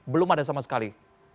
belum ada sama sekali